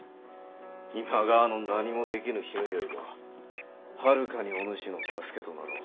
今川の何もできぬ姫よりもはるかにお主の助けとなろう。